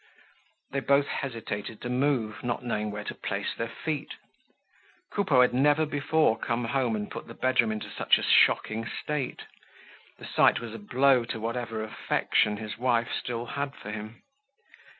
They both hesitated to move, not knowing where to place their feet. Coupeau had never before come home and put the bedroom into such a shocking state. This sight was a blow to whatever affection his wife still had for him.